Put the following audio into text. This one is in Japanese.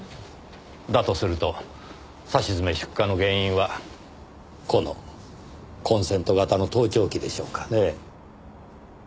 だとするとさしずめ出火の原因はこのコンセント型の盗聴器でしょうかねぇ。